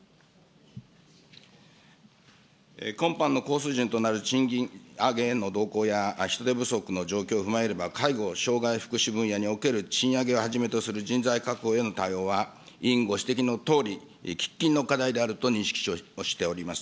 今般の高水準となる賃金上げへの動向や、人手不足の状況を踏まえれば、介護・障害福祉分野における賃上げをはじめとする人材確保への対応は、委員ご指摘のとおり、喫緊の課題であると認識をしております。